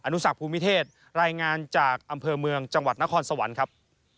นุสักภูมิเทศรายงานจากอำเภอเมืองจังหวัดนครสวรรค์ครับ